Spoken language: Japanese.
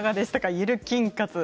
ゆる筋活。